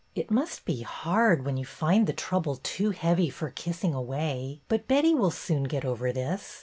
'' It must be hard when you find the trouble too heavy for kissing away, but Betty will soon get over this.